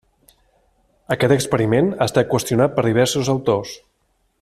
Aquest experiment ha estat qüestionat per diversos autors.